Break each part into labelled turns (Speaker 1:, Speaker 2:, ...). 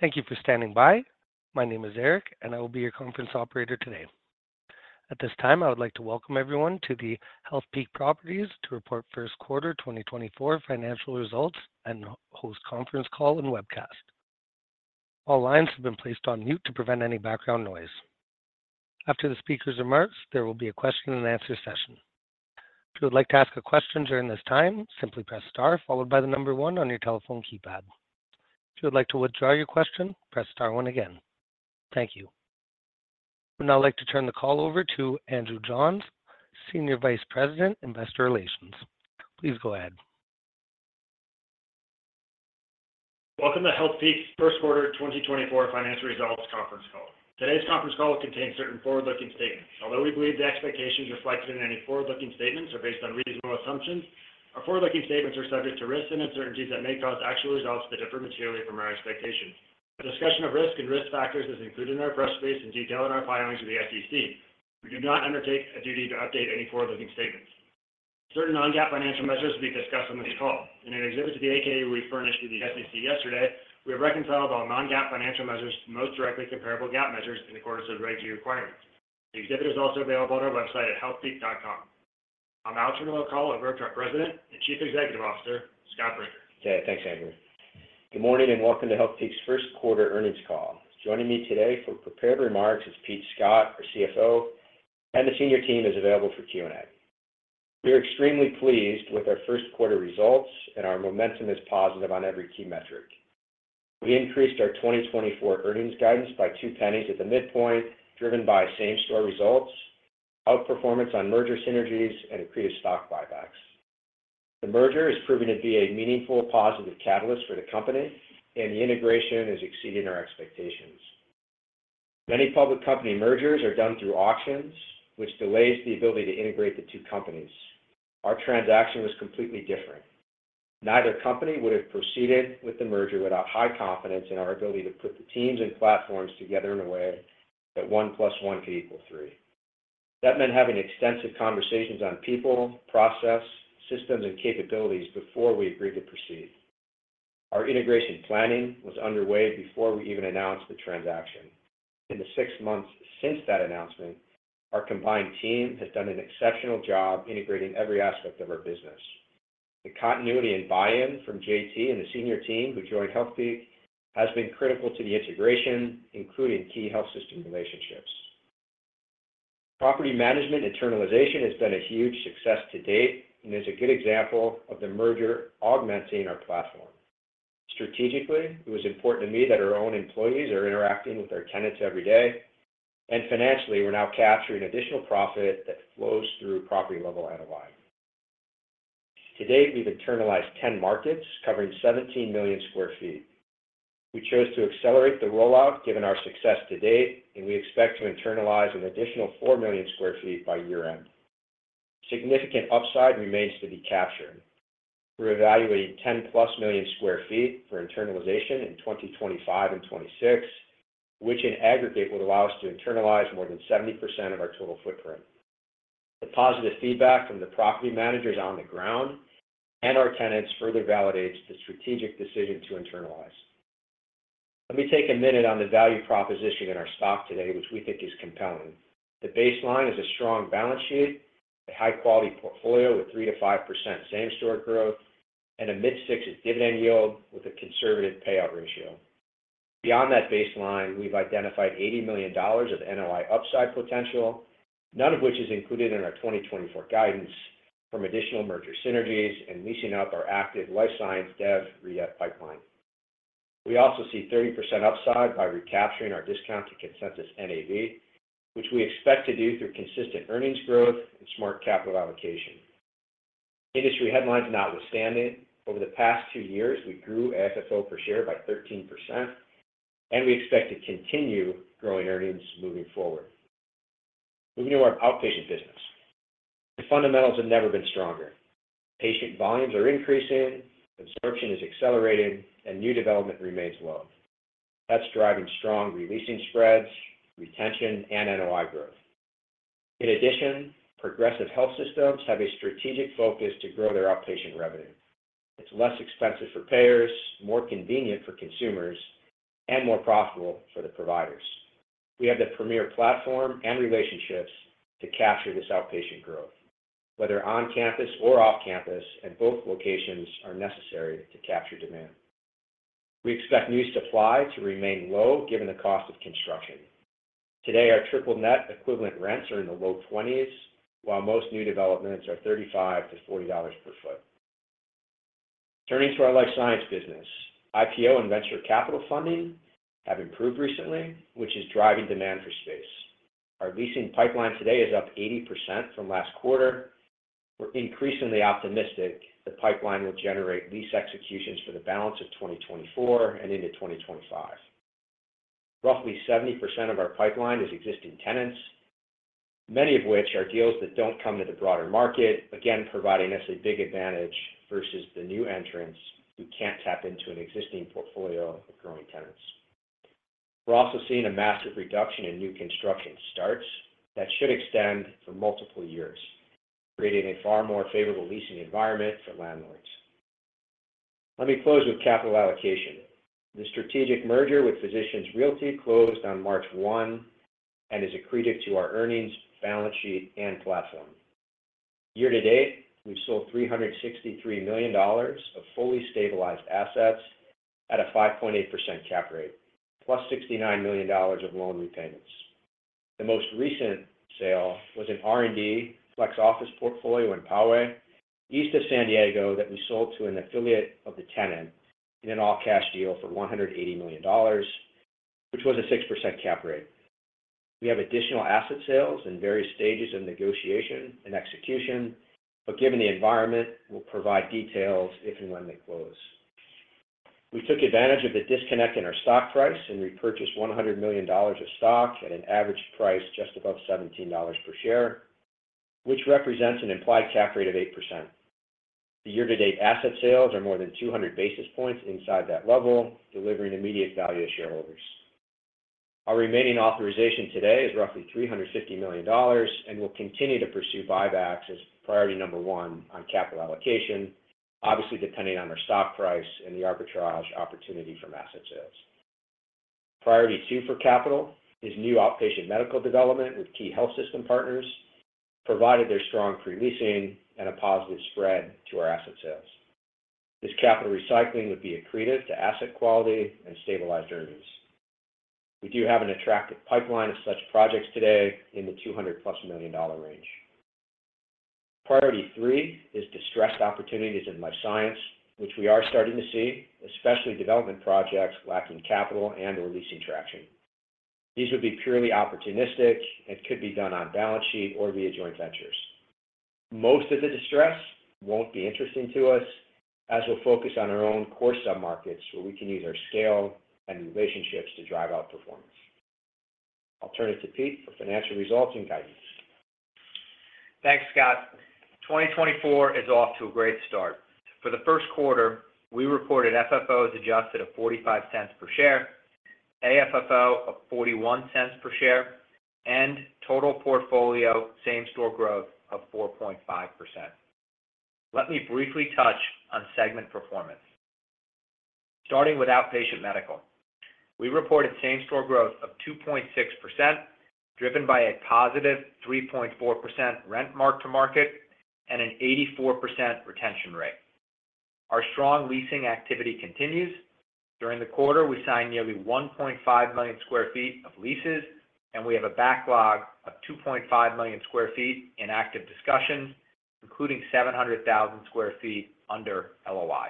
Speaker 1: Thank you for standing by. My name is Eric, and I will be your conference operator today. At this time, I would like to welcome everyone to the Healthpeak Properties to report first quarter 2024 financial results and host conference call and webcast. All lines have been placed on mute to prevent any background noise. After the speaker's remarks, there will be a question and answer session. If you would like to ask a question during this time, simply press star followed by the number one on your telephone keypad. If you would like to withdraw your question, press star one again. Thank you. I would now like to turn the call over to Andrew Johns, Senior Vice President, Investor Relations. Please go ahead.
Speaker 2: Welcome to Healthpeak's First Quarter 2024 Financial Results Conference Call. Today's conference call contains certain forward-looking statements. Although we believe the expectations reflected in any forward-looking statements are based on reasonable assumptions, our forward-looking statements are subject to risks and uncertainties that may cause actual results to differ materially from our expectations. A discussion of risk and risk factors is included in our press release in detail in our filings with the SEC. We do not undertake a duty to update any forward-looking statements. Certain non-GAAP financial measures will be discussed on this call. In an exhibit to the 8-K we furnished to the SEC yesterday, we have reconciled our non-GAAP financial measures to the most directly comparable GAAP measures in accordance with regulatory requirements. The exhibit is also available on our website at healthpeak.com. I'll now turn the call over to our President and Chief Executive Officer, Scott Brinker.
Speaker 3: Okay, thanks, Andrew. Good morning, and welcome to Healthpeak's first quarter earnings call. Joining me today for prepared remarks is Pete Scott, our CFO, and the senior team is available for Q&A. We are extremely pleased with our first quarter results, and our momentum is positive on every key metric. We increased our 2024 earnings guidance by $0.02 at the midpoint, driven by same-store results, outperformance on merger synergies, and increased stock buybacks. The merger is proving to be a meaningful positive catalyst for the company, and the integration is exceeding our expectations. Many public company mergers are done through auctions, which delays the ability to integrate the two companies. Our transaction was completely different. Neither company would have proceeded with the merger without high confidence in our ability to put the teams and platforms together in a way that one plus one could equal three. That meant having extensive conversations on people, process, systems, and capabilities before we agreed to proceed. Our integration planning was underway before we even announced the transaction. In the six months since that announcement, our combined team has done an exceptional job integrating every aspect of our business. The continuity and buy-in from JT and the senior team who joined Healthpeak has been critical to the integration, including key health system relationships. Property management internalization has been a huge success to date and is a good example of the merger augmenting our platform. Strategically, it was important to me that our own employees are interacting with our tenants every day, and financially, we're now capturing additional profit that flows through property-level NOI. To date, we've internalized ten markets covering 17 million sq ft. We chose to accelerate the rollout, given our success to date, and we expect to internalize an additional 4 million sq ft by year-end. Significant upside remains to be captured. We're evaluating 10+ million sq ft for internalization in 2025 and 2026, which in aggregate, would allow us to internalize more than 70% of our total footprint. The positive feedback from the property managers on the ground and our tenants further validates the strategic decision to internalize. Let me take a minute on the value proposition in our stock today, which we think is compelling. The baseline is a strong balance sheet, a high-quality portfolio with 3%-5% same-store growth, and a mid-sixes dividend yield with a conservative payout ratio. Beyond that baseline, we've identified $80 million of NOI upside potential, none of which is included in our 2024 guidance from additional merger synergies and leasing up our active life science dev / redev pipeline. We also see 30% upside by recapturing our discount to consensus NAV, which we expect to do through consistent earnings growth and smart capital allocation. Industry headlines notwithstanding, over the past two years, we grew FFO per share by 13%, and we expect to continue growing earnings moving forward. Moving to our outpatient business. The fundamentals have never been stronger. Patient volumes are increasing, absorption is accelerating, and new development remains low. That's driving strong re-leasing spreads, retention, and NOI growth. In addition, progressive health systems have a strategic focus to grow their outpatient revenue. It's less expensive for payers, more convenient for consumers, and more profitable for the providers. We have the premier platform and relationships to capture this outpatient growth, whether on campus or off campus, and both locations are necessary to capture demand. We expect new supply to remain low, given the cost of construction. Today, our triple net equivalent rents are in the low 20s, while most new developments are $35-$40 per foot. Turning to our Life Science business. IPO and venture capital funding have improved recently, which is driving demand for space. Our leasing pipeline today is up 80% from last quarter. We're increasingly optimistic the pipeline will generate lease executions for the balance of 2024 and into 2025. Roughly 70% of our pipeline is existing tenants, many of which are deals that don't come to the broader market, again, providing us a big advantage versus the new entrants who can't tap into an existing portfolio of growing tenants. We're also seeing a massive reduction in new construction starts that should extend for multiple years, creating a far more favorable leasing environment for landlords. Let me close with capital allocation. The strategic merger with Physicians Realty closed on March 1, and is accretive to our earnings, balance sheet, and platform. Year to date, we've sold $363 million of fully stabilized assets at a 5.8% cap rate, plus $69 million of loan repayments. The most recent sale was an R&D flex office portfolio in Poway, east of San Diego, that we sold to an affiliate of the tenant in an all-cash deal for $180 million, which was a 6% cap rate. We have additional asset sales in various stages of negotiation and execution, but given the environment, we'll provide details if and when they close. We took advantage of the disconnect in our stock price and repurchased $100 million of stock at an average price just above $17 per share, which represents an implied cap rate of 8%. The year-to-date asset sales are more than 200 basis points inside that level, delivering immediate value to shareholders. Our remaining authorization today is roughly $350 million, and we'll continue to pursue buybacks as priority number one on capital allocation, obviously, depending on our stock price and the arbitrage opportunity from asset sales. Priority two for capital is new outpatient medical development with key health system partners, provided there's strong pre-leasing and a positive spread to our asset sales. This capital recycling would be accretive to asset quality and stabilized earnings. We do have an attractive pipeline of such projects today in the $200+ million range. Priority three is distressed opportunities in life science, which we are starting to see, especially development projects lacking capital and or leasing traction. These would be purely opportunistic and could be done on balance sheet or via joint ventures. Most of the distress won't be interesting to us, as we'll focus on our own core submarkets, where we can use our scale and relationships to drive outperformance. I'll turn it to Pete for financial results and guidance.
Speaker 4: Thanks, Scott. 2024 is off to a great start. For the first quarter, we reported FFO as adjusted of $0.45 per share, AFFO of $0.41 per share, and total portfolio same-store growth of 4.5%. Let me briefly touch on segment performance. Starting with outpatient medical. We reported same-store growth of 2.6%, driven by a positive 3.4% rent mark-to-market, and an 84% retention rate. Our strong leasing activity continues. During the quarter, we signed nearly 1.5 million sq ft of leases, and we have a backlog of 2.5 million sq ft in active discussions, including 700,000 sq ft under LOI.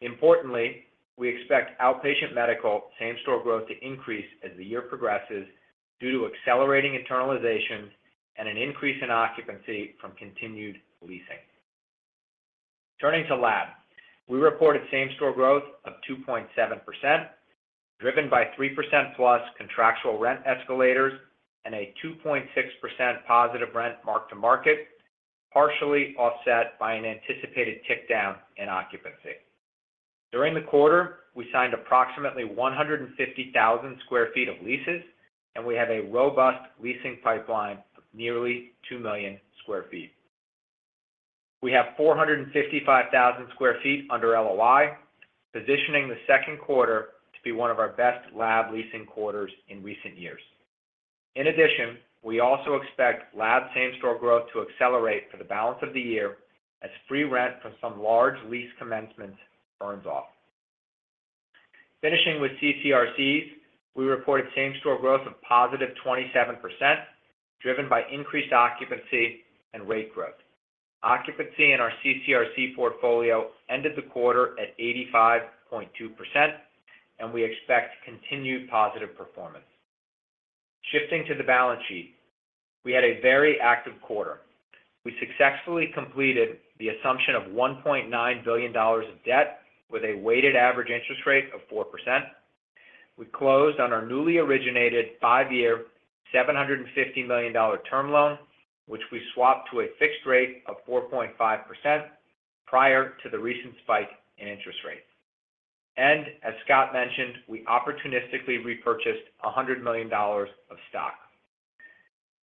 Speaker 4: Importantly, we expect outpatient medical same-store growth to increase as the year progresses due to accelerating internalizations and an increase in occupancy from continued leasing. Turning to lab. We reported same-store growth of 2.7%, driven by 3% plus contractual rent escalators and a 2.6% positive rent mark-to-market, partially offset by an anticipated tick down in occupancy. During the quarter, we signed approximately 150,000 sq ft of leases, and we have a robust leasing pipeline of nearly 2 million sq ft. We have 455,000 sq ft under LOI, positioning the second quarter to be one of our best lab leasing quarters in recent years. In addition, we also expect lab same-store growth to accelerate for the balance of the year as free rent from some large lease commencement earns off. Finishing with CCRCs, we reported same-store growth of positive 27%, driven by increased occupancy and rate growth. Occupancy in our CCRC portfolio ended the quarter at 85.2%, and we expect continued positive performance. Shifting to the balance sheet, we had a very active quarter. We successfully completed the assumption of $1.9 billion of debt with a weighted average interest rate of 4%. We closed on our newly originated five-year, $750 million term loan, which we swapped to a fixed rate of 4.5% prior to the recent spike in interest rates. And as Scott mentioned, we opportunistically repurchased $100 million of stock.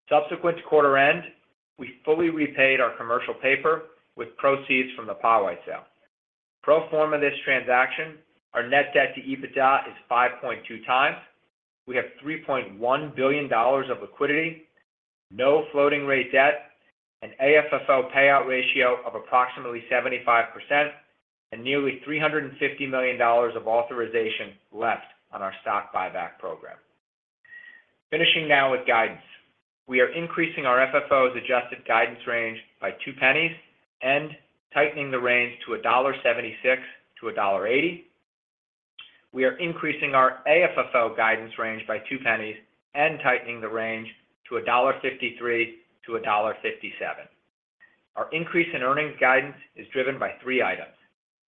Speaker 4: Subsequent to quarter end, we fully repaid our commercial paper with proceeds from the Poway sale. Pro forma this transaction, our net debt to EBITDA is 5.2x. We have $3.1 billion of liquidity, no floating rate debt, an AFFO payout ratio of approximately 75%, and nearly $350 million of authorization left on our stock buyback program. Finishing now with guidance. We are increasing our FFO as adjusted guidance range by $0.02 and tightening the range to $1.76-$1.80. We are increasing our AFFO guidance range by $0.02 and tightening the range to $1.53-$1.57. Our increase in earnings guidance is driven by three items.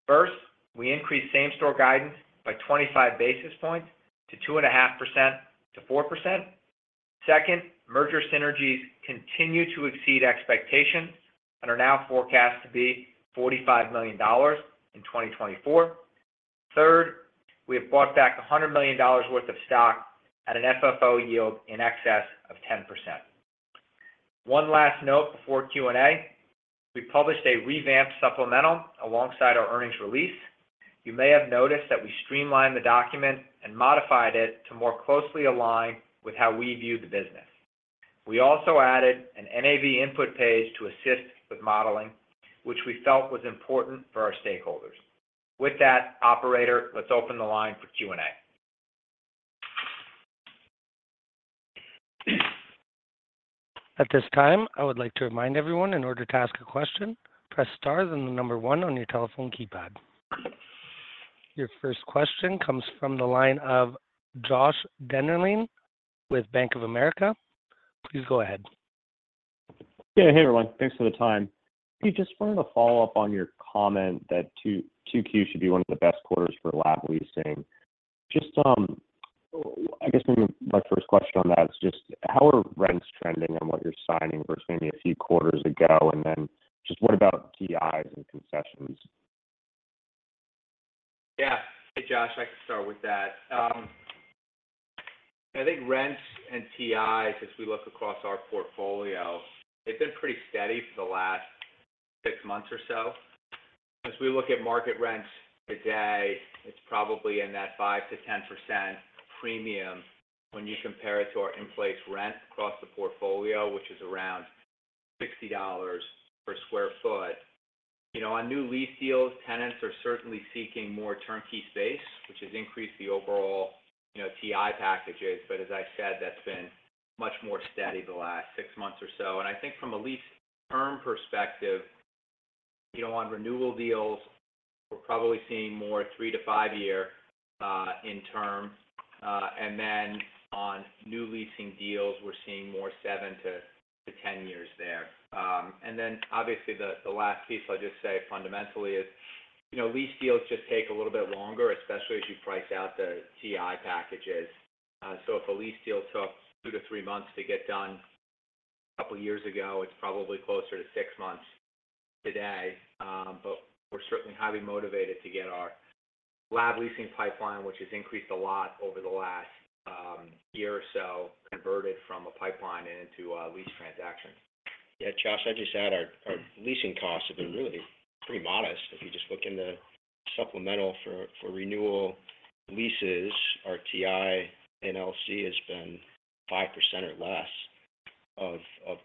Speaker 4: First, we increased same-store guidance by 25 basis points to 2.5%-4%. Second, merger synergies continue to exceed expectations and are now forecast to be $45 million in 2024. Third, we have bought back $100 million worth of stock at an FFO yield in excess of 10%. One last note before Q&A, we published a revamped supplemental alongside our earnings release. You may have noticed that we streamlined the document and modified it to more closely align with how we view the business. We also added an NAV input page to assist with modeling, which we felt was important for our stakeholders. With that, operator, let's open the line for Q&A.
Speaker 1: At this time, I would like to remind everyone, in order to ask a question, press star, then the number one on your telephone keypad. Your first question comes from the line of Joshua Dennerlein with Bank of America. Please go ahead.
Speaker 5: Yeah. Hey, everyone. Thanks for the time. Pete, just wanted to follow up on your comment that 2Q should be one of the best quarters for lab leasing. Just, I guess, my first question on that is just how are rents trending on what you're signing versus maybe a few quarters ago? And then just what about TIs and concessions?
Speaker 4: Yeah. Hey, Josh, I can start with that. I think rents and TIs, as we look across our portfolio, they've been pretty steady for the last six months or so. As we look at market rents today, it's probably in that 5%-10% premium when you compare it to our in-place rent across the portfolio, which is around $60 per sq ft. You know, on new lease deals, tenants are certainly seeking more turnkey space, which has increased the overall, you know, TI packages. But as I said, that's been much more steady the last six months or so. And I think from a lease term perspective, you know, on renewal deals, we're probably seeing more three to five year in term. And then on new leasing deals, we're seeing more seven to ten years there. And then obviously, the last piece I'll just say fundamentally is, you know, lease deals just take a little bit longer, especially as you price out the TI packages. So if a lease deal took two to three months to get done a couple of years ago, it's probably closer to six months today. But we're certainly highly motivated to get our lab leasing pipeline, which has increased a lot over the last, year or so, converted from a pipeline into a lease transaction.
Speaker 3: Yeah, Josh, I'd just add our leasing costs have been really pretty modest. If you just look in the supplemental for renewal leases, our TI and LC has been 5% or less of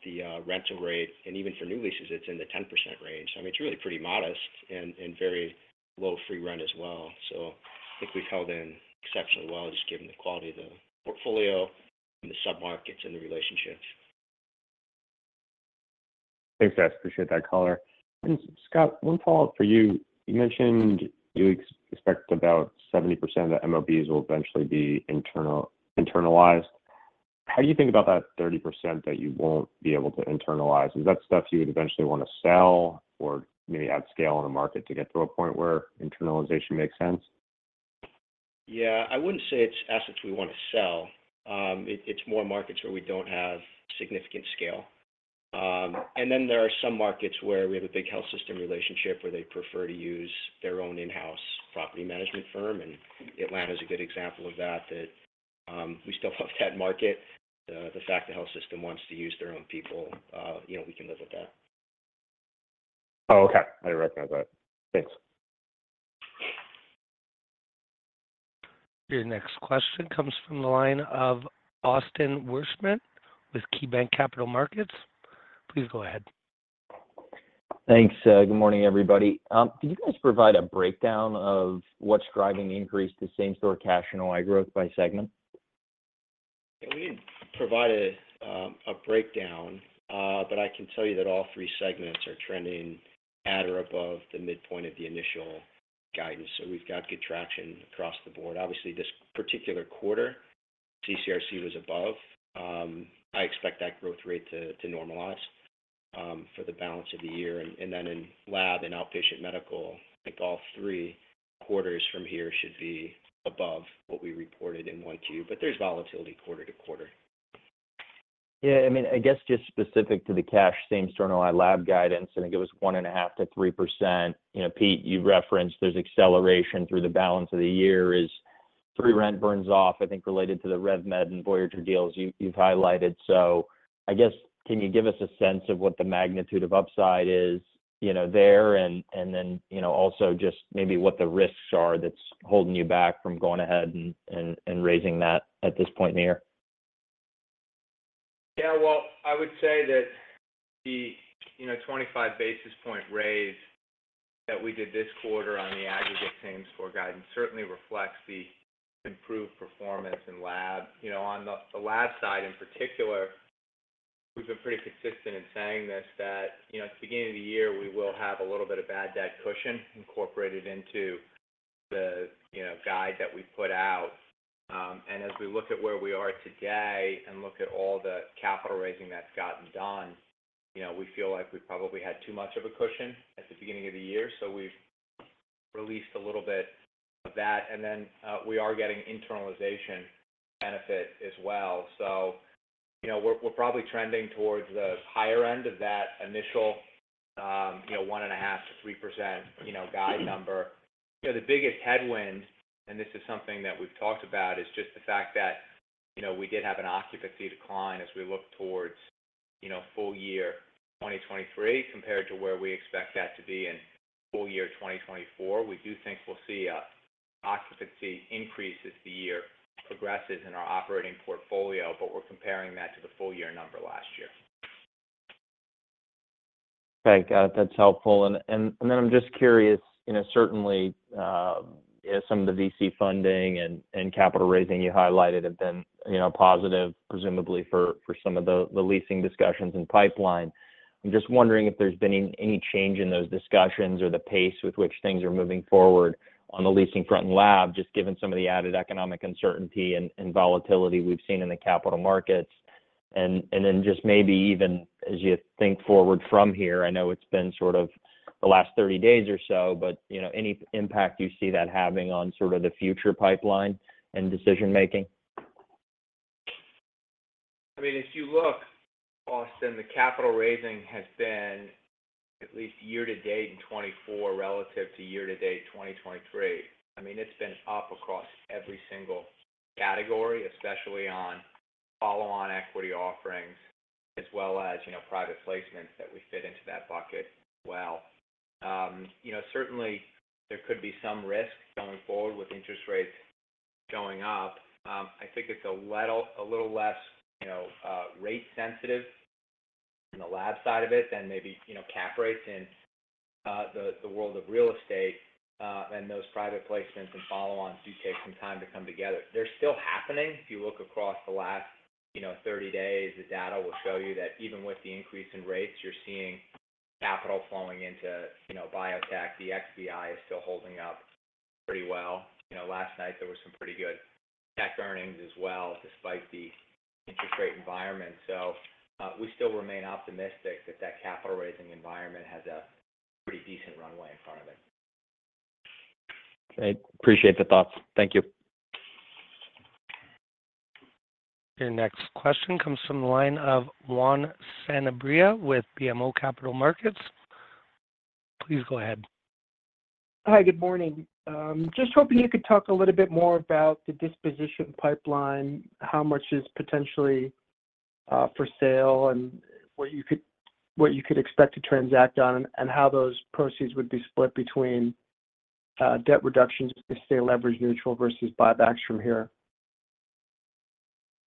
Speaker 3: the rental rate, and even for new leases, it's in the 10% range. I mean, it's really pretty modest and very low free rent as well. So I think we've held in exceptionally well, just given the quality of the portfolio and the submarkets and the relationships.
Speaker 5: Thanks, guys. Appreciate that color. Scott, one follow-up for you. You mentioned you expect about 70% of the MOBs will eventually be internalized. How do you think about that 30% that you won't be able to internalize? Is that stuff you would eventually want to sell or maybe add scale in a market to get to a point where internalization makes sense?
Speaker 3: Yeah, I wouldn't say it's assets we want to sell. It's more markets where we don't have significant scale. And then there are some markets where we have a big health system relationship, where they prefer to use their own in-house property management firm, and Atlanta is a good example of that we still love that market. The fact the health system wants to use their own people, you know, we can live with that.
Speaker 5: Oh, okay. I recognize that. Thanks.
Speaker 1: Your next question comes from the line of Austin Wurschmidt with KeyBanc Capital Markets. Please go ahead.
Speaker 6: Thanks. Good morning, everybody. Can you guys provide a breakdown of what's driving the increase to same-store cash NOI growth by segment?
Speaker 3: We didn't provide a breakdown, but I can tell you that all three segments are trending at or above the midpoint of the initial guidance, so we've got good traction across the board. Obviously, this particular quarter, CCRC was above. I expect that growth rate to normalize for the balance of the year. And then in lab and outpatient medical, I think all three quarters from here should be above what we reported in 1Q, but there's volatility quarter to quarter.
Speaker 6: Yeah, I mean, I guess just specific to the cash same-store NOI lab guidance, I think it was 1.5%-3%. You know, Pete, you referenced there's acceleration through the balance of the year as free rent burns off, I think, related to the RevMed and Voyager deals you've highlighted. So I guess, can you give us a sense of what the magnitude of upside is, you know, there, and then, you know, also just maybe what the risks are that's holding you back from going ahead and raising that at this point in the year?
Speaker 4: Yeah, well, I would say that the, you know, 25 basis point raise that we did this quarter on the aggregate same store guidance certainly reflects the improved performance in lab. You know, on the, the lab side, in particular, we've been pretty consistent in saying this, that, you know, at the beginning of the year, we will have a little bit of bad debt cushion incorporated into the, you know, guide that we put out. And as we look at where we are today and look at all the capital raising that's gotten done, you know, we feel like we probably had too much of a cushion at the beginning of the year, so we've released a little bit of that, and then we are getting internalization benefit as well. So, you know, we're probably trending towards the higher end of that initial, you know, 1.5%-3% guide number. You know, the biggest headwind, and this is something that we've talked about, is just the fact that, you know, we did have an occupancy decline as we look towards, you know, full year 2023, compared to where we expect that to be in full year 2024. We do think we'll see an occupancy increase as the year progresses in our operating portfolio, but we're comparing that to the full year number last year.
Speaker 6: Okay. Got it. That's helpful. And then I'm just curious, you know, certainly some of the VC funding and capital raising you highlighted have been, you know, positive, presumably for some of the leasing discussions and pipeline. I'm just wondering if there's been any change in those discussions or the pace with which things are moving forward on the leasing front and lab, just given some of the added economic uncertainty and volatility we've seen in the capital markets. And then just maybe even as you think forward from here, I know it's been sort of the last 30 days or so, but, you know, any impact you see that having on sort of the future pipeline and decision making?
Speaker 4: I mean, if you look, Austin, the capital raising has been at least year to date in 2024, relative to year to date 2023. I mean, it's been up across every single category, especially on follow-on equity offerings, as well as, you know, private placements that we fit into that bucket well. You know, certainly there could be some risks going forward with interest rates going up. I think it's a little less, you know, rate sensitive in the lab side of it than maybe, you know, cap rates in the world of real estate, and those private placements and follow-ons do take some time to come together. They're still happening. If you look across the last, you know, 30 days, the data will show you that even with the increase in rates, you're seeing capital flowing into, you know, biotech. The XBI is still holding up pretty well. You know, last night there were some pretty good tech earnings as well, despite the interest rate environment. So, we still remain optimistic that that capital raising environment has a pretty decent runway in front of it.
Speaker 6: I appreciate the thoughts. Thank you.
Speaker 1: Your next question comes from the line of Juan Sanabria with BMO Capital Markets. Please go ahead.
Speaker 7: Hi, good morning. Just hoping you could talk a little bit more about the disposition pipeline, how much is potentially for sale, and what you could, what you could expect to transact on, and how those proceeds would be split between debt reductions to stay leverage neutral versus buybacks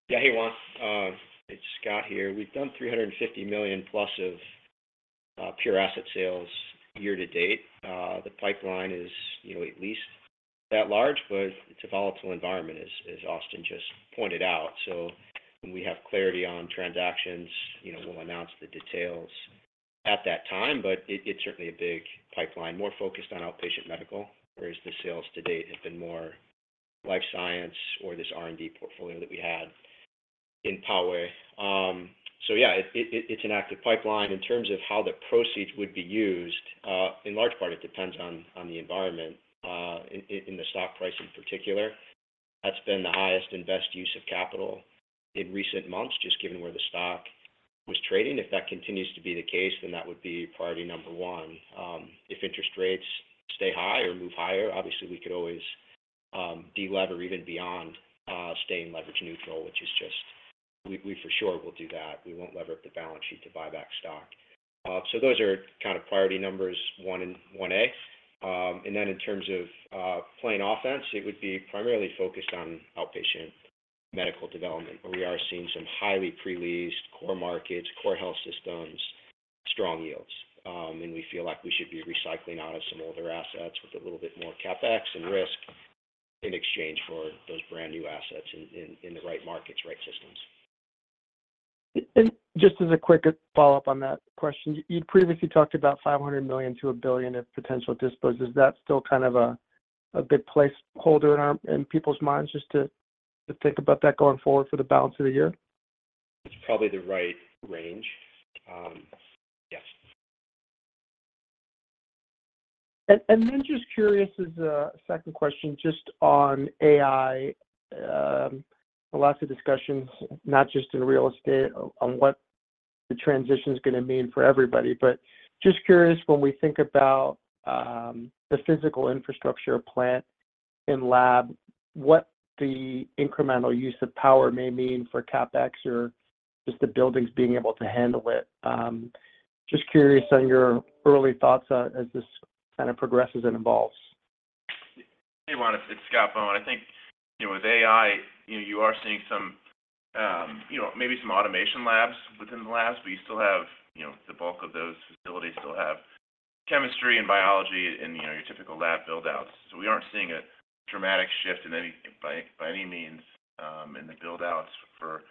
Speaker 7: from here.
Speaker 3: Yeah, hey, Juan, it's Scott here. We've done $350 million+ of pure asset sales year to date. The pipeline is, you know, at least that large, but it's a volatile environment, as Austin just pointed out. So when we have clarity on transactions, you know, we'll announce the details at that time, but it's certainly a big pipeline, more focused on outpatient medical, whereas the sales to date have been more life science or this R&D portfolio that we had in Poway. So yeah, it's an active pipeline. In terms of how the proceeds would be used, in large part it depends on the environment, in the stock price in particular. That's been the highest and best use of capital in recent months, just given where the stock was trading. If that continues to be the case, then that would be priority number one. If interest rates stay high or move higher, obviously, we could always delever even beyond staying leverage neutral, which is just we for sure will do that. We won't lever up the balance sheet to buy back stock. So those are kind of priority numbers 1 and 1A. And then in terms of playing offense, it would be primarily focused on outpatient medical development, where we are seeing some highly pre-leased core markets, core health systems, strong yields. And we feel like we should be recycling out of some older assets with a little bit more CapEx and risk in exchange for those brand-new assets in the right markets, right systems.
Speaker 7: Just as a quick follow-up on that question. You previously talked about $500 million-$1 billion of potential dispositions. Does that still kind of a big placeholder in our, in people's minds just to think about that going forward for the balance of the year?
Speaker 3: It's probably the right range. Yes.
Speaker 7: And then just curious, as a second question, just on AI. Lots of discussions, not just in real estate, on what the transition is gonna mean for everybody. But just curious, when we think about the physical infrastructure of plant and lab, what the incremental use of power may mean for CapEx or just the buildings being able to handle it? Just curious on your early thoughts on, as this kind of progresses and evolves.
Speaker 8: Hey, Juan, it's Scott Bohn. I think, you know, with AI, you know, you are seeing some, you know, maybe some automation labs within the labs, but you still have, you know, the bulk of those facilities still have chemistry and biology and, you know, your typical lab build-outs. So we aren't seeing a dramatic shift in any, by any means, in the build-outs for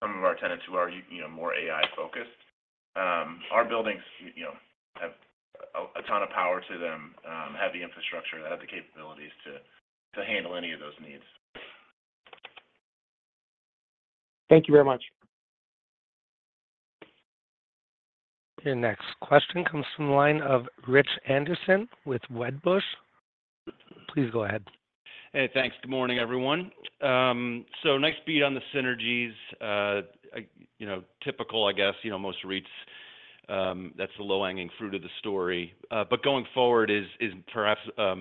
Speaker 8: some of our tenants who are you know, more AI focused. Our buildings, you know, have a ton of power to them, have the infrastructure, have the capabilities to handle any of those needs.
Speaker 7: Thank you very much.
Speaker 1: Your next question comes from the line of Rich Anderson with Wedbush. Please go ahead.
Speaker 9: Hey, thanks. Good morning, everyone. So next beat on the synergies, you know, typical, I guess, you know, most REITs, that's the low-hanging fruit of the story. But going forward is, is perhaps, a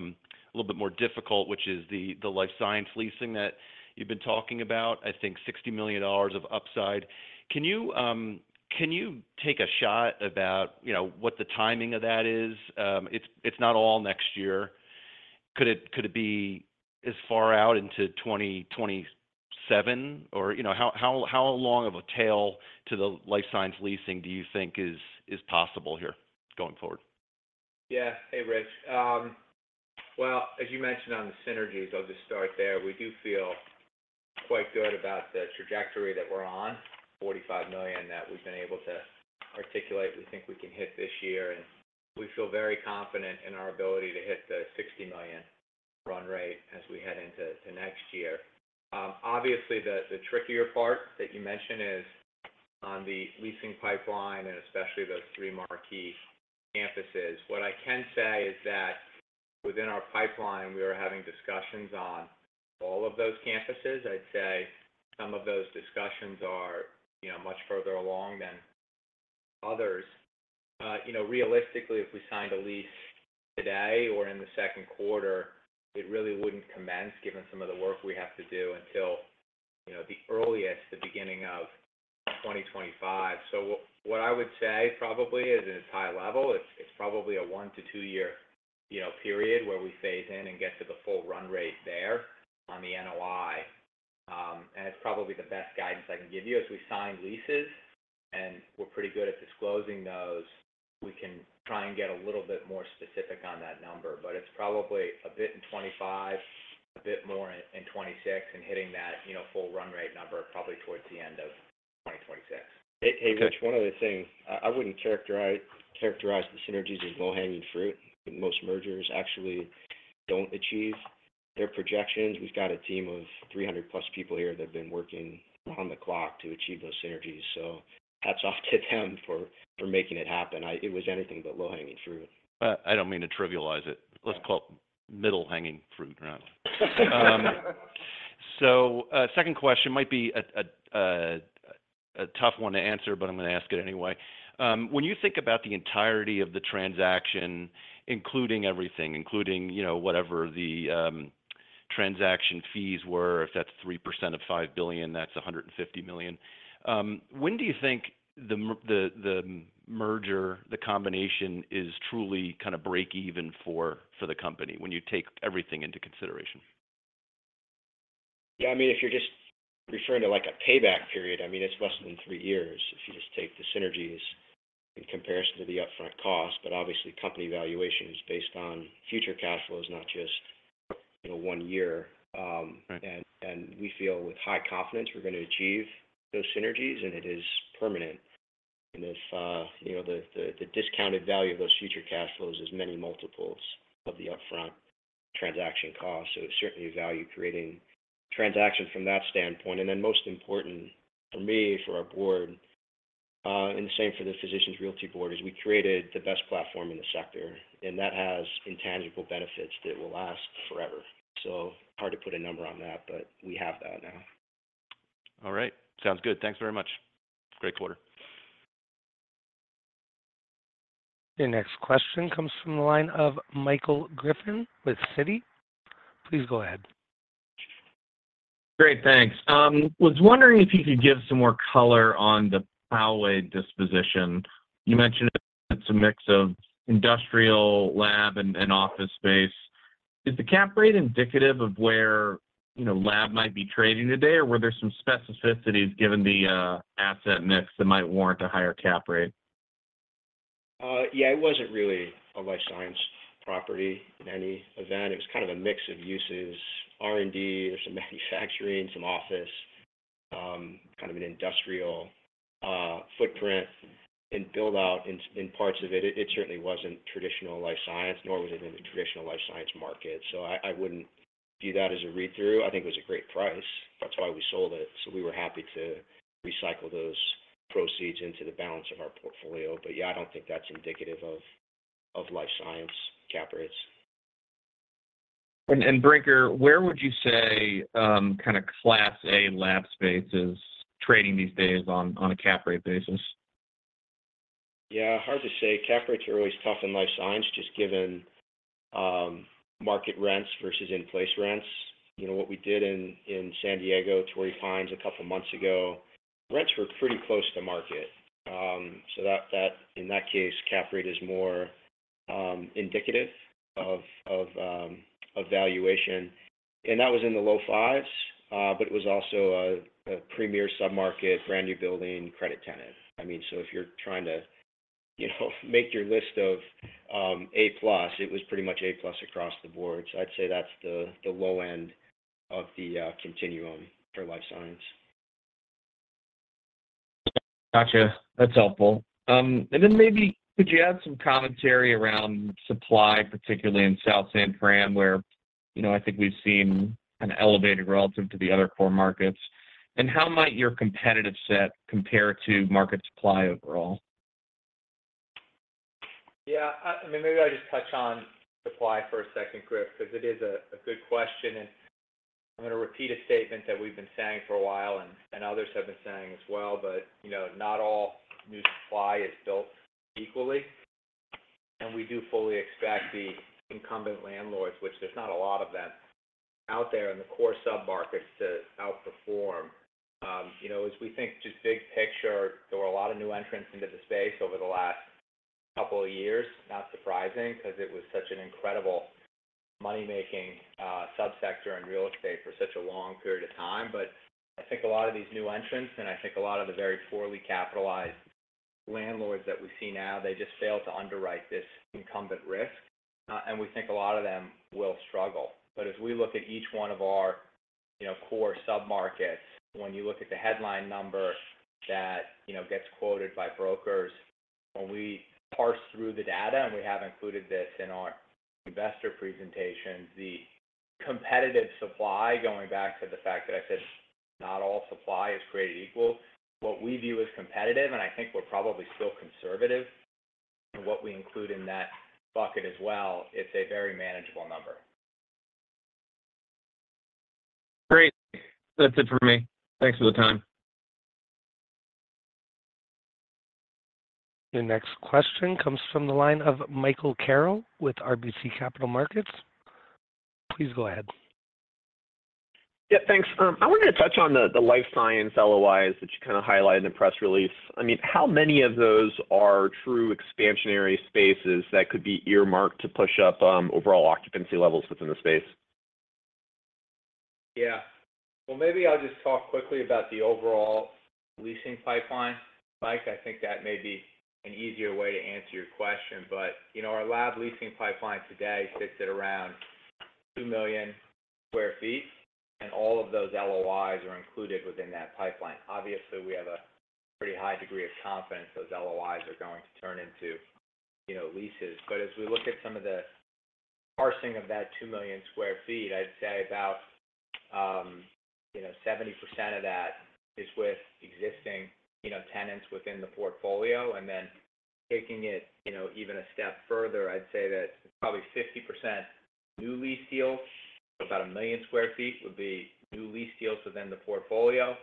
Speaker 9: little bit more difficult, which is the, the life science leasing that you've been talking about, I think $60 million of upside. Can you, can you take a shot about, you know, what the timing of that is? It's, it's not all next year. Could it, could it be as far out into 2027? Or, you know, how, how, how long of a tail to the life science leasing do you think is, is possible here going forward?
Speaker 4: Yeah. Hey, Rich. Well, as you mentioned on the synergies, I'll just start there. We do feel quite good about the trajectory that we're on. $45 million that we've been able to articulate, we think we can hit this year, and we feel very confident in our ability to hit the $60 million run rate as we head into next year. Obviously, the trickier part that you mentioned is on the leasing pipeline and especially those three marquee campuses. What I can say is that within our pipeline, we are having discussions on all of those campuses. I'd say some of those discussions are, you know, much further along than others. You know, realistically, if we signed a lease today or in the second quarter, it really wouldn't commence, given some of the work we have to do until, you know, the earliest, the beginning of 2025. So what I would say probably is, and it's high level, it's probably a one to two year, you know, period where we phase in and get to the full run rate there on the NOI. And it's probably the best guidance I can give you. As we sign leases, and we're pretty good at disclosing those, we can try and get a little bit more specific on that number, but it's probably a bit in 2025, a bit more in 2026, and hitting that, you know, full run rate number probably towards the end of 2026.
Speaker 9: Okay.
Speaker 3: Hey, Rich, one other thing. I wouldn't characterize the synergies as low-hanging fruit. Most mergers actually don't achieve their projections. We've got a team of 300+ people here that have been working on the clock to achieve those synergies, so hats off to them for making it happen. It was anything but low-hanging fruit.
Speaker 9: I don't mean to trivialize it.
Speaker 3: Yeah.
Speaker 9: Let's call it middle-hanging fruit, right? So, second question might be a tough one to answer, but I'm gonna ask it anyway. When you think about the entirety of the transaction, including everything, including, you know, whatever the transaction fees were, if that's 3% of $5 billion, that's $150 million. When do you think the merger, the combination is truly kind of break even for the company when you take everything into consideration?
Speaker 3: Yeah, I mean, if you're just referring to, like, a payback period, I mean, it's less than three years. If you just take the synergies in comparison to the upfront cost, but obviously, company valuation is based on future cash flows, not just, you know, one year.
Speaker 9: Right.
Speaker 3: We feel with high confidence, we're gonna achieve those synergies, and it is permanent. And if, you know, the discounted value of those future cash flows is many multiples of the upfront transaction cost, so it's certainly a value-creating transaction from that standpoint. And then most important for me, for our board, and the same for the Physicians Realty board, is we created the best platform in the sector, and that has intangible benefits that will last forever. So hard to put a number on that, but we have that now.
Speaker 9: All right. Sounds good. Thanks very much. Great quarter.
Speaker 1: Your next question comes from the line of Michael Griffin with Citi. Please go ahead.
Speaker 10: Great, thanks. Was wondering if you could give some more color on the Poway disposition. You mentioned it's a mix of industrial lab and office space. Is the cap rate indicative of where, you know, lab might be trading today, or were there some specificities given the asset mix that might warrant a higher cap rate?
Speaker 3: Yeah, it wasn't really a life science property in any event. It was kind of a mix of uses, R&D, there's some manufacturing, some office, kind of an industrial footprint and build-out in parts of it. It certainly wasn't traditional life science, nor was it in the traditional life science market, so I wouldn't view that as a read-through. I think it was a great price. That's why we sold it, so we were happy to recycle those proceeds into the balance of our portfolio. But, yeah, I don't think that's indicative of life science cap rates.
Speaker 10: Brinker, where would you say, kind of Class A lab space is trading these days on a cap rate basis?
Speaker 3: Yeah, hard to say. Cap rates are always tough in life science, just given market rents versus in-place rents. You know, what we did in San Diego, Torrey Pines, a couple months ago, rents were pretty close to market. So that in that case, cap rate is more indicative of valuation, and that was in the low fives. But it was also a premier submarket, brand-new building, credit tenant. I mean, so if you're trying to, you know, make your list of A plus, it was pretty much A plus across the board. So I'd say that's the low end of the continuum for life science.
Speaker 10: Gotcha. That's helpful. And then maybe could you add some commentary around supply, particularly in South San Francisco, where, You know, I think we've seen an elevated relative to the other core markets. And how might your competitive set compare to market supply overall?
Speaker 4: Yeah, I mean, maybe I'll just touch on supply for a second, Chris, because it is a good question, and I'm gonna repeat a statement that we've been saying for a while and others have been saying as well. But, you know, not all new supply is built equally, and we do fully expect the incumbent landlords, which there's not a lot of them out there in the core submarkets, to outperform. You know, as we think, just big picture, there were a lot of new entrants into the space over the last couple of years. Not surprising, 'cause it was such an incredible money-making subsector in real estate for such a long period of time. But I think a lot of these new entrants, and I think a lot of the very poorly capitalized landlords that we see now, they just fail to underwrite this incumbent risk, and we think a lot of them will struggle. But as we look at each one of our, you know, core submarkets, when you look at the headline number that, you know, gets quoted by brokers, when we parse through the data, and we have included this in our investor presentation, the competitive supply, going back to the fact that I said not all supply is created equal, what we view as competitive, and I think we're probably still conservative in what we include in that bucket as well, it's a very manageable number.
Speaker 10: Great. That's it for me. Thanks for the time.
Speaker 1: Your next question comes from the line of Michael Carroll with RBC Capital Markets. Please go ahead.
Speaker 11: Yeah, thanks. I wanted to touch on the life science LOIs that you kind of highlighted in the press release. I mean, how many of those are true expansionary spaces that could be earmarked to push up overall occupancy levels within the space?
Speaker 4: Yeah. Well, maybe I'll just talk quickly about the overall leasing pipeline, Mike. I think that may be an easier way to answer your question. But, you know, our lab leasing pipeline today sits at around 2 million sq ft, and all of those LOIs are included within that pipeline. Obviously, we have a pretty high degree of confidence those LOIs are going to turn into, you know, leases. But as we look at some of the parsing of that 2 million sq ft, I'd say about, you know, 70% of that is with existing, you know, tenants within the portfolio. And then taking it, you know, even a step further, I'd say that probably 50% new lease deals, about 1 million sq ft, would be new lease deals within the portfolio,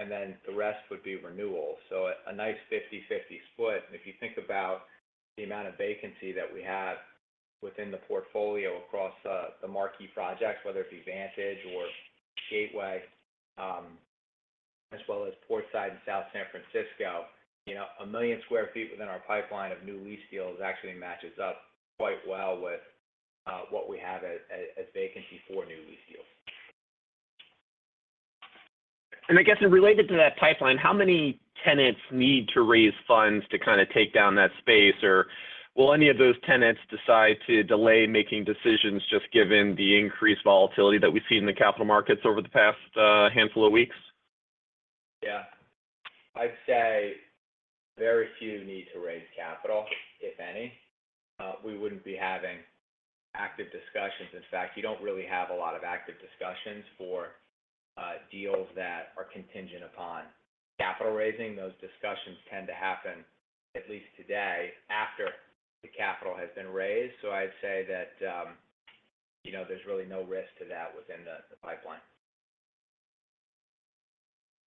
Speaker 4: and then the rest would be renewals. So a nice 50/50 split. If you think about the amount of vacancy that we have within the portfolio across the marquee projects, whether it be Vantage or Gateway, as well as Portside in South San Francisco, you know, 1 million sq ft within our pipeline of new lease deals actually matches up quite well with what we have as vacancy for new lease deals.
Speaker 11: I guess related to that pipeline, how many tenants need to raise funds to kind of take down that space? Or will any of those tenants decide to delay making decisions, just given the increased volatility that we've seen in the capital markets over the past handful of weeks?
Speaker 4: Yeah. I'd say very few need to raise capital, if any. We wouldn't be having active discussions. In fact, you don't really have a lot of active discussions for deals that are contingent upon capital raising. Those discussions tend to happen, at least today, after the capital has been raised. So I'd say that, you know, there's really no risk to that within the pipeline.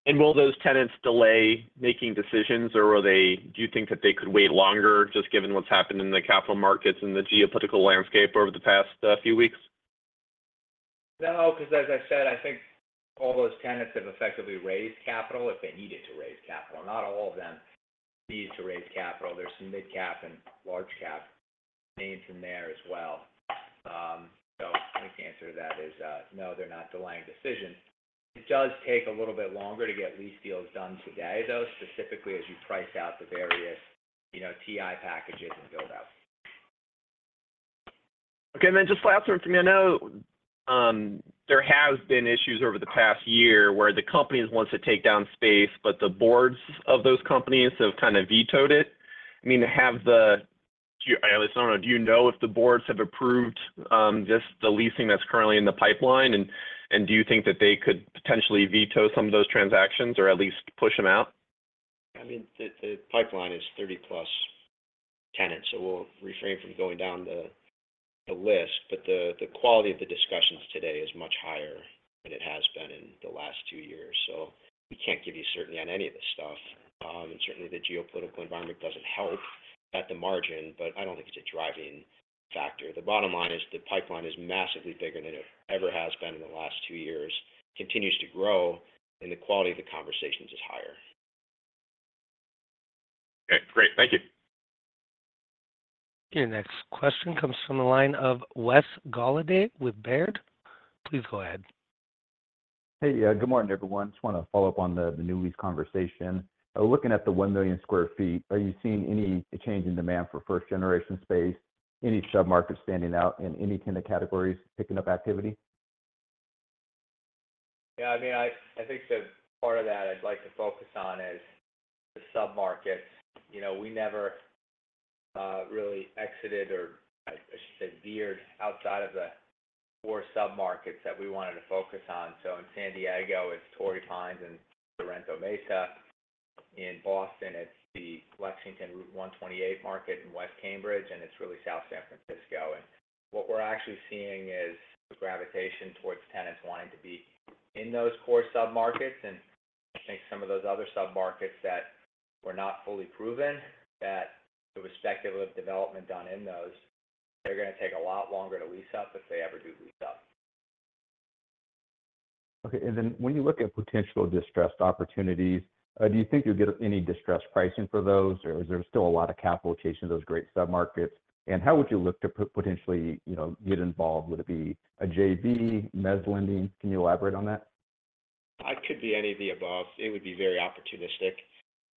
Speaker 11: Will those tenants delay making decisions, or will they? Do you think that they could wait longer, just given what's happened in the capital markets and the geopolitical landscape over the past few weeks?
Speaker 4: No, because as I said, I think all those tenants have effectively raised capital if they needed to raise capital. Not all of them need to raise capital. There's some mid-cap and large-cap names in there as well. So I think the answer to that is no, they're not delaying decisions. It does take a little bit longer to get lease deals done today, though, specifically as you price out the various, you know, TI packages and build out.
Speaker 11: Okay. And then just last one from me. I know, there has been issues over the past year where the companies wants to take down space, but the boards of those companies have kind of vetoed it. I mean, have the... Do you-- I don't know, do you know if the boards have approved just the leasing that's currently in the pipeline, and, and do you think that they could potentially veto some of those transactions or at least push them out?
Speaker 3: I mean, the pipeline is 30+ tenants, so we'll refrain from going down the list. But the quality of the discussions today is much higher than it has been in the last two years. So we can't give you certainty on any of this stuff. And certainly, the geopolitical environment doesn't help at the margin, but I don't think it's a driving factor. The bottom line is the pipeline is massively bigger than it ever has been in the last two years, continues to grow, and the quality of the conversations is higher.
Speaker 11: Okay, great. Thank you.
Speaker 1: Your next question comes from the line of Wes Golladay with Baird. Please go ahead.
Speaker 12: Hey, yeah, good morning, everyone. Just want to follow up on the new lease conversation. Looking at the 1 million sq ft, are you seeing any change in demand for first-generation space? Any submarket standing out, and any tenant categories picking up activity?
Speaker 3: Yeah, I mean, I think the part of that I'd like to focus on is the sub-markets. You know, we never really exited, or I should say veered, outside of the four sub-markets that we wanted to focus on. So in San Diego, it's Torrey Pines and Sorrento Mesa. In Boston, it's the Lexington Route 128 market, in West Cambridge, and it's really South San Francisco. And what we're actually seeing is the gravitation towards tenants wanting to be in those core sub-markets, and I think some of those other sub-markets that were not fully proven, that the respective development done in those, they're gonna take a lot longer to lease up, if they ever do lease up.
Speaker 12: Okay, and then when you look at potential distressed opportunities, do you think you'll get any distressed pricing for those, or is there still a lot of capital chasing those great sub-markets? And how would you look to potentially, you know, get involved? Would it be a JV, mezz lending? Can you elaborate on that?
Speaker 3: It could be any of the above. It would be very opportunistic,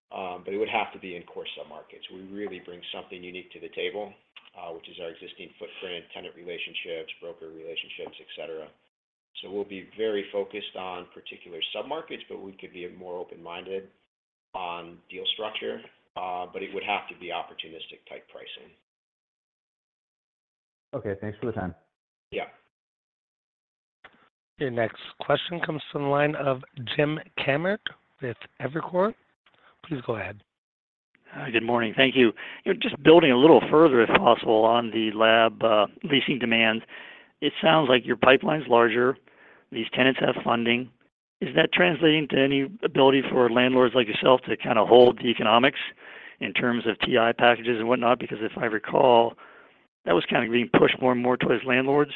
Speaker 3: but it would have to be in core sub-markets. We really bring something unique to the table, which is our existing footprint, tenant relationships, broker relationships, et cetera. So we'll be very focused on particular sub-markets, but we could be more open-minded on deal structure. But it would have to be opportunistic-type pricing.
Speaker 12: Okay. Thanks for the time.
Speaker 3: Yeah.
Speaker 1: Your next question comes from the line of Jim Kammert with Evercore. Please go ahead.
Speaker 13: Hi, good morning. Thank you. You know, just building a little further, if possible, on the lab leasing demand. It sounds like your pipeline's larger, these tenants have funding. Is that translating to any ability for landlords like yourself to kind of hold the economics in terms of TI packages and whatnot? Because if I recall, that was kind of being pushed more and more towards landlords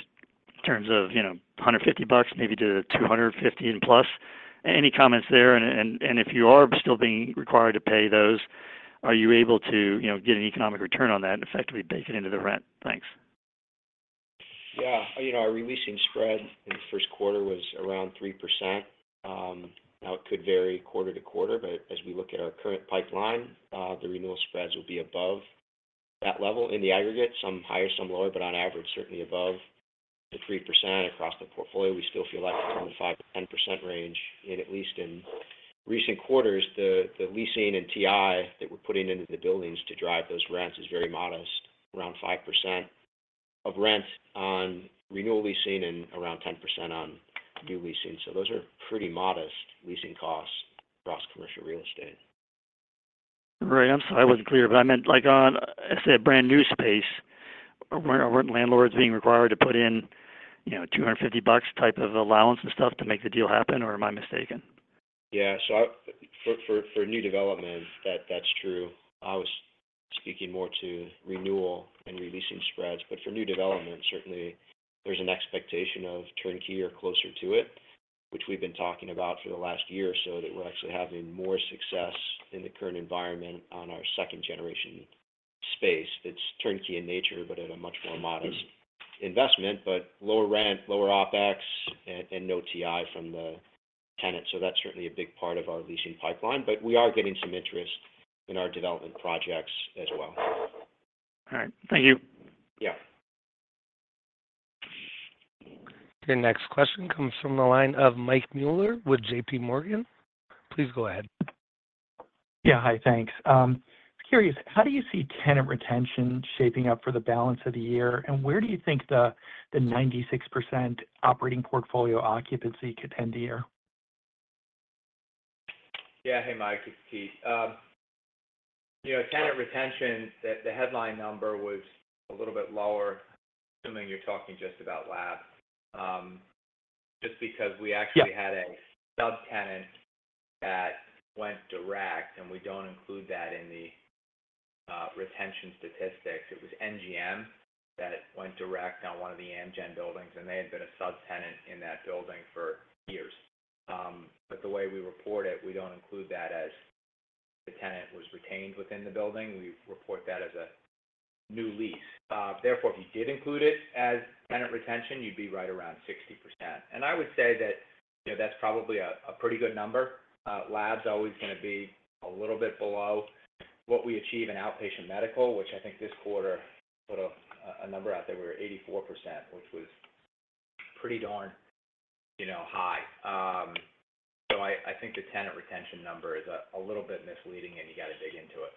Speaker 13: in terms of, you know, $150, maybe to $250 and plus. Any comments there? If you are still being required to pay those, are you able to, you know, get an economic return on that and effectively bake it into the rent? Thanks.
Speaker 3: Yeah. You know, our re-leasing spread in the first quarter was around 3%. Now it could vary quarter to quarter, but as we look at our current pipeline, the renewal spreads will be above that level in the aggregate, some higher, some lower, but on average, certainly above the 3% across the portfolio. We still feel like we're in the 5%-10% range, and at least in recent quarters, the, the leasing and TI that we're putting into the buildings to drive those rents is very modest, around 5% of rent on renewal leasing and around 10% on new leasing. So those are pretty modest leasing costs across commercial real estate.
Speaker 13: Right. I'm sorry I wasn't clear, but I meant, like, on, let's say, a brand-new space, weren't landlords being required to put in, you know, $250 type of allowance and stuff to make the deal happen, or am I mistaken?
Speaker 3: Yeah. So for new development, that's true. I was speaking more to renewal and re-leasing spreads, but for new development, certainly there's an expectation of turnkey or closer to it, which we've been talking about for the last year or so, that we're actually having more success in the current environment on our second-generation space. It's turnkey in nature, but at a much more modest investment, but lower rent, lower OpEx, and no TI from the tenants. So that's certainly a big part of our leasing pipeline, but we are getting some interest in our development projects as well.
Speaker 13: All right. Thank you.
Speaker 3: Yeah.
Speaker 1: The next question comes from the line of Mike Mueller with J.P. Morgan. Please go ahead.
Speaker 14: Yeah. Hi, thanks. Just curious, how do you see tenant retention shaping up for the balance of the year, and where do you think the 96% operating portfolio occupancy could end the year?
Speaker 4: Yeah. Hey, Mike, it's Pete. You know, tenant retention, the headline number was a little bit lower, assuming you're talking just about lab. Just because we actually-
Speaker 14: Yeah
Speaker 4: had a subtenant that went direct, and we don't include that in the retention statistics. It was NGM that went direct on one of the Amgen buildings, and they had been a subtenant in that building for years. But the way we report it, we don't include that as the tenant was retained within the building. We report that as a new lease. Therefore, if you did include it as tenant retention, you'd be right around 60%. And I would say that, you know, that's probably a pretty good number. Lab's always gonna be a little bit below what we achieve in outpatient medical, which I think this quarter put a number out there where 84%, which was pretty darn, you know, high. So, I think the tenant retention number is a little bit misleading, and you gotta dig into it.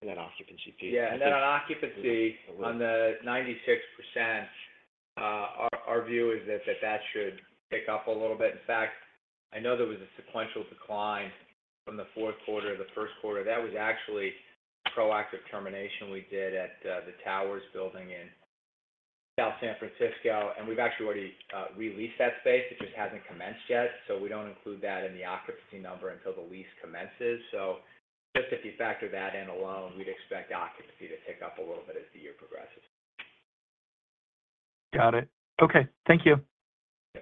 Speaker 14: And then occupancy too.
Speaker 4: Yeah, and then on occupancy, on the 96%, our view is that should pick up a little bit. In fact, I know there was a sequential decline from the fourth quarter, the first quarter. That was actually proactive termination we did at The Towers building in South San Francisco, and we've actually re-leased that space. It just hasn't commenced yet, so we don't include that in the occupancy number until the lease commences. So just if you factor that in alone, we'd expect occupancy to tick up a little bit as the year progresses.
Speaker 14: Got it. Okay. Thank you.
Speaker 3: Yeah.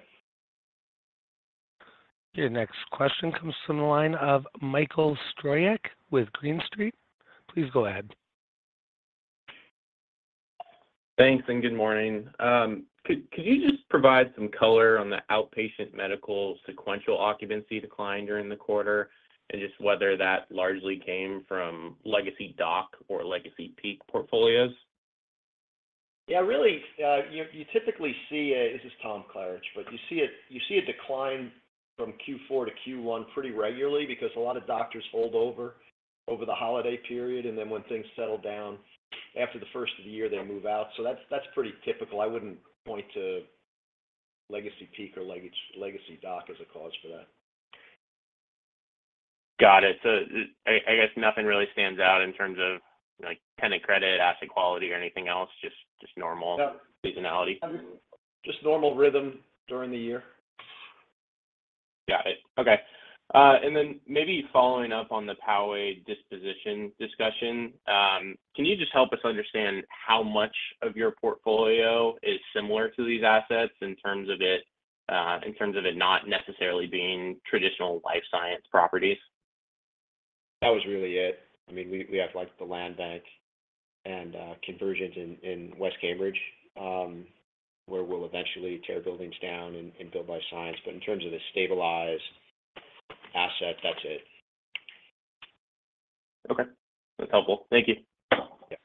Speaker 1: Your next question comes from the line of Michael Stroyeck with Green Street. Please go ahead.
Speaker 15: Thanks, and good morning. Could you just provide some color on the outpatient medical sequential occupancy decline during the quarter, and just whether that largely came from legacy DOC or legacy Healthpeak portfolios?
Speaker 16: Really, you typically see a decline from Q4 to Q1 pretty regularly. This is Tom Klaritch, but you see it, you see a decline from Q4 to Q1 pretty regularly because a lot of doctors hold over the holiday period, and then when things settle down after the first of the year, they move out. So that's pretty typical. I wouldn't point to legacy Healthpeak or legacy DOC as a cause for that.
Speaker 15: Got it. So I, I guess nothing really stands out in terms of, like, tenant credit, asset quality, or anything else, just, just normal-
Speaker 16: No
Speaker 15: -seasonality?
Speaker 16: Just normal rhythm during the year.
Speaker 15: Got it. Okay. And then maybe following up on the Poway disposition discussion, can you just help us understand how much of your portfolio is similar to these assets in terms of it not necessarily being traditional life science properties?
Speaker 3: That was really it. I mean, we have, like, the land bank and conversions in West Cambridge, where we'll eventually tear buildings down and build life science. But in terms of the stabilized asset, that's it.
Speaker 15: Okay. That's helpful. Thank you.
Speaker 3: Yeah.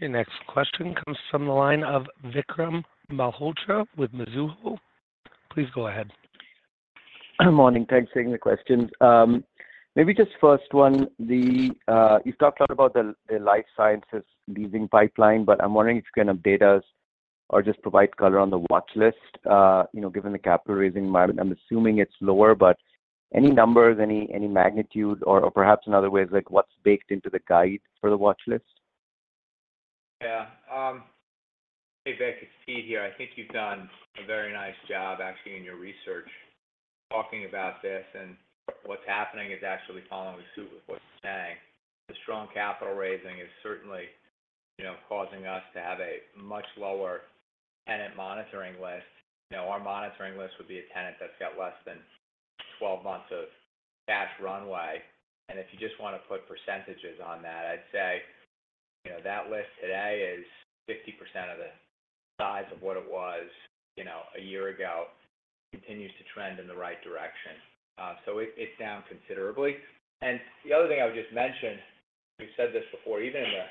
Speaker 1: Your next question comes from the line of Vikram Malhotra with Mizuho. Please go ahead.
Speaker 17: Morning. Thanks for taking the questions. Maybe just first one, you talked a lot about the life sciences leasing pipeline, but I'm wondering if you can update us or just provide color on the watchlist. You know, given the capital raising environment, I'm assuming it's lower, but any numbers, any magnitude, or perhaps in other ways, like what's baked into the guide for the watchlist?
Speaker 4: Yeah. Hey, Vic, it's Pete here. I think you've done a very nice job actually in your research talking about this, and what's happening is actually following suit with what you're saying. The strong capital raising is certainly, you know, causing us to have a much lower tenant monitoring list. You know, our monitoring list would be a tenant that's got less than 12 months of cash runway. And if you just wanna put percentages on that, I'd say, you know, that list today is 50% of the size of what it was, you know, a year ago. Continues to trend in the right direction. So it, it's down considerably. And the other thing I would just mention, we've said this before, even in the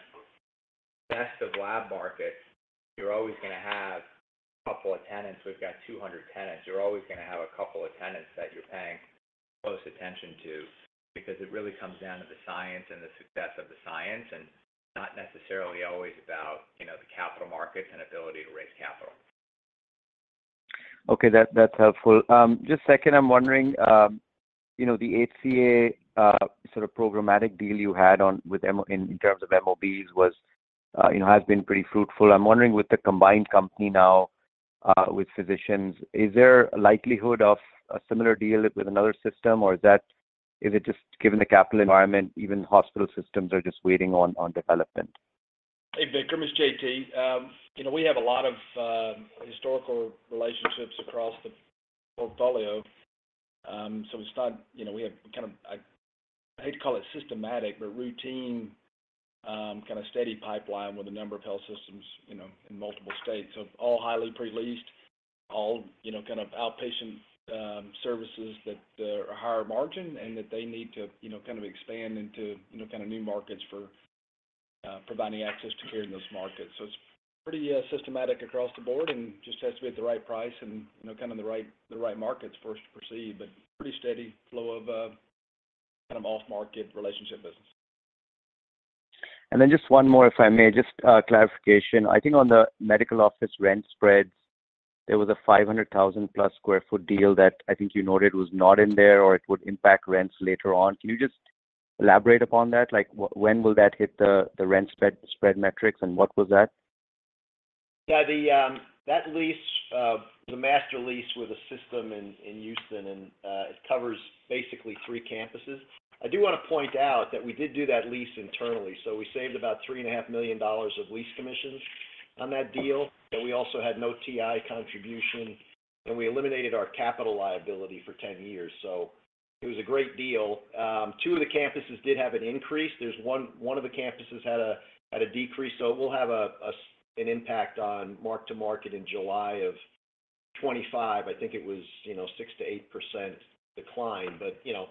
Speaker 4: best of lab markets, you're always gonna have a couple of tenants. We've got 200 tenants. You're always gonna have a couple of tenants that you're paying close attention to because it really comes down to the science and the success of the science, and not necessarily always about, you know, the capital markets and ability to raise capital.
Speaker 17: Okay, that, that's helpful. Just second, I'm wondering, you know, the HCA sort of programmatic deal you had on with in terms of MOBs was, you know, has been pretty fruitful. I'm wondering, with the combined company now, with Physicians, is there a likelihood of a similar deal with another system, or is that—is it just given the capital environment, even hospital systems are just waiting on development?
Speaker 18: Hey, Vikram, it's JT. You know, we have a lot of historical relationships across the portfolio. So it's not, you know, we have kind of, I, I hate to call it systematic, but routine kind of steady pipeline with a number of health systems, you know, in multiple states. So all highly pre-leased, all, you know, kind of outpatient services that are higher margin and that they need to, you know, kind of expand into, you know, kind of new markets for providing access to care in those markets. So it's pretty systematic across the board and just has to be at the right price and, you know, kind of in the right, the right markets for us to proceed. But pretty steady flow of kind of off-market relationship business.
Speaker 17: And then just one more, if I may. Just, clarification. I think on the medical office rent spreads, there was a 500,000+ sq ft deal that I think you noted was not in there or it would impact rents later on. Can you just elaborate upon that? Like, when will that hit the rent spread metrics, and what was that?
Speaker 16: Yeah, that lease was a master lease with a system in Houston, and it covers basically three campuses. I do wanna point out that we did do that lease internally, so we saved about $3.5 million of lease commissions on that deal, but we also had no TI contribution, and we eliminated our capital liability for 10 years. So it was a great deal. Two of the campuses did have an increase. One of the campuses had a decrease, so it will have an impact on mark-to-market in July 2025. I think it was, you know, 6%-8% decline. But, you know,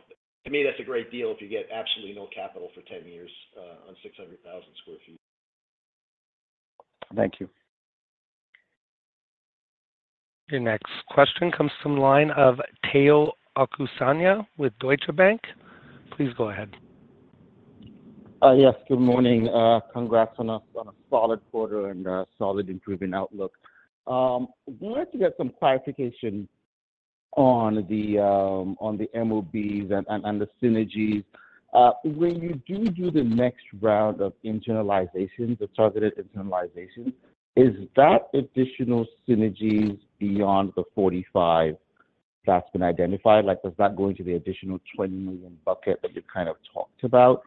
Speaker 16: to me, that's a great deal if you get absolutely no capital for 10 years on 600,000 sq ft.
Speaker 17: Thank you.
Speaker 1: Your next question comes from the line of Tayo Okusanya with Deutsche Bank. Please go ahead.
Speaker 19: Yes, good morning. Congrats on a solid quarter and a solid improving outlook. Wanted to get some clarification on the MOBs and the synergies. When you do the next round of internalization, the targeted internalization, is that additional synergies beyond the $45 million that's been identified? Like, does that go into the additional $20 million bucket that you kind of talked about?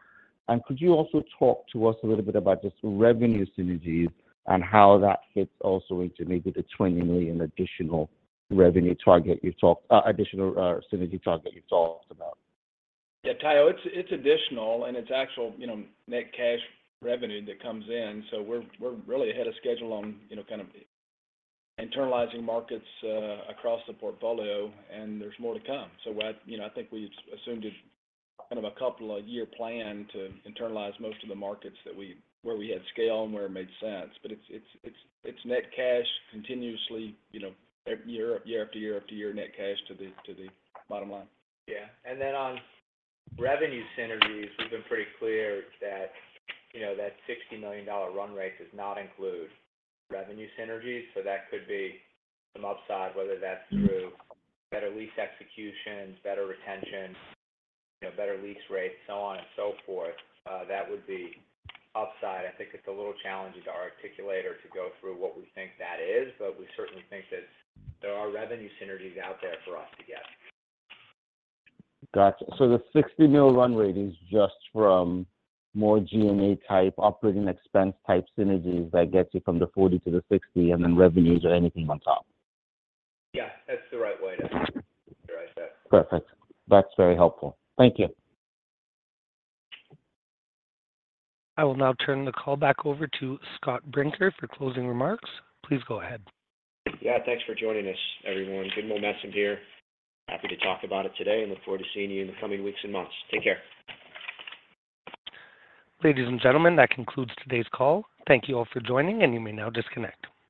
Speaker 19: And could you also talk to us a little bit about just revenue synergies and how that fits also into maybe the $20 million additional revenue target you talked— additional synergy target you talked about?
Speaker 16: Yeah, Tayo, it's additional, and it's actual, you know, net cash revenue that comes in. So we're really ahead of schedule on, you know, kind of internalizing markets across the portfolio, and there's more to come. So I, you know, I think we've assumed a kind of a couple of year plan to internalize most of the markets that we where we had scale and where it made sense, but it's, it's, it's, it's net cash continuously, you know, year, year after year after year, net cash to the to the bottom line.
Speaker 4: Yeah. And then on revenue synergies, we've been pretty clear that, you know, that $60 million run rate does not include revenue synergies, so that could be some upside, whether that's through better lease execution, better retention, you know, better lease rates, so on and so forth. That would be upside. I think it's a little challenging to articulate or to go through what we think that is, but we certainly think that there are revenue synergies out there for us to get.
Speaker 19: Gotcha. So the $60 million run rate is just from more G&A type, operating expense type synergies that gets you from the $40 million to the $60 million, and then revenues are anything on top?
Speaker 4: Yeah, that's the right way to characterize that.
Speaker 19: Perfect. That's very helpful. Thank you.
Speaker 1: I will now turn the call back over to Scott Brinker for closing remarks. Please go ahead.
Speaker 3: Yeah, thanks for joining us, everyone. Good momentum here. Happy to talk about it today, and look forward to seeing you in the coming weeks and months. Take care.
Speaker 1: Ladies and gentlemen, that concludes today's call. Thank you all for joining, and you may now disconnect.